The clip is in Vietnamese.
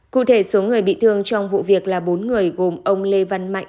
cụ thể số người bị thương trong vụ việc là bốn người gồm ông lê văn mạnh